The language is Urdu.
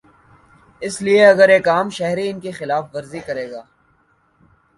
اس لیے اگر ایک عام شہری ان کی خلاف ورزی کرے گا۔